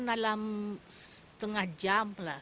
dalam setengah jam lah